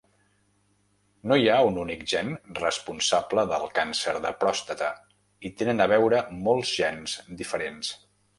No hi ha un únic gen responsable del càncer de pròstata; hi tenen a veure molts gens diferents.